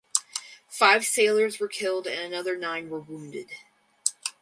Five sailors were killed and another nine were wounded.